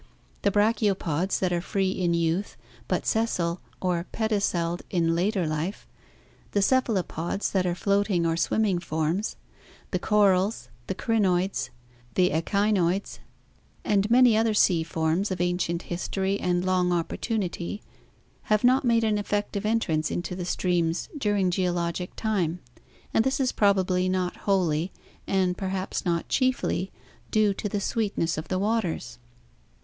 The brachiopods that are free in youth, but ses sile or pediceled in later life, the cephalopods that are floating or swimming forms, the corals, the crinoids, the echinoids, and many other sea forms of ancient history and long opportunity, have not made an effective entrance into the streams during geologic time; and this is probably not wholly, and perhaps not chiefly, due to the sweetness of the waters.